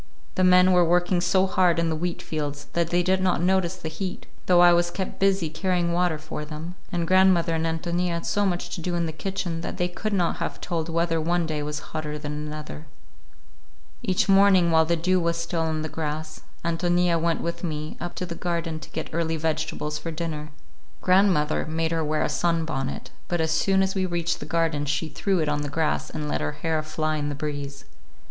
The men were working so hard in the wheatfields that they did not notice the heat,—though I was kept busy carrying water for them,—and grandmother and Ántonia had so much to do in the kitchen that they could not have told whether one day was hotter than another. Each morning, while the dew was still on the grass, Ántonia went with me up to the garden to get early vegetables for dinner. Grandmother made her wear a sunbonnet, but as soon as we reached the garden she threw it on the grass and let her hair fly in the breeze.